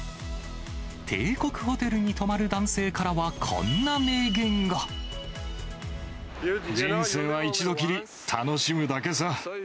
帝国ホテルに泊まる男性から人生は一度きり、楽しむだけさ。